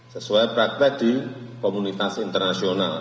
sesuai praktek di komunitas internasional